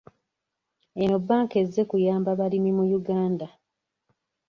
Eno bbanka ezze kuyamba balimi mu Uganda.